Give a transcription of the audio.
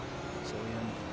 そういうの。